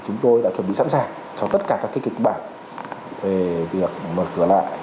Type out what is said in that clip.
chúng tôi đã chuẩn bị sẵn sàng cho tất cả các kịch bản về việc mở cửa lại